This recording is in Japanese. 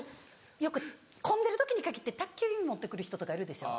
よく混んでる時に限って宅急便持って来る人とかいるでしょ。